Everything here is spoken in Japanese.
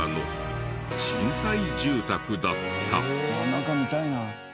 中見たいな。